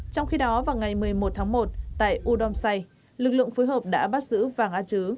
trong khi đó vào ngày một mươi một tháng một tại udomsai lực lượng phối hợp đã bắt giữ vàng a chứ